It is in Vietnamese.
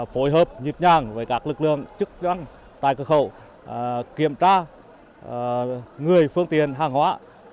phối hợp nhịp nhàng với các lực lượng chức năng tại cửa khẩu kiểm tra người phương tiện hàng hóa